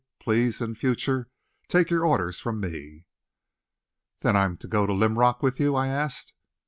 Please, in future, take your orders from me." "Then I'm to go to Linrock with you?" I asked.